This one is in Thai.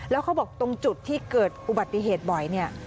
แล้วเขาบอกตรงจุดที่เกิดอุบัติเหตุบ่อยเนี่ย